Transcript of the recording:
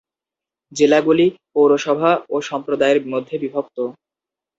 জেলাগুলি পৌরসভা ও সম্প্রদায়ের মধ্যে বিভক্ত।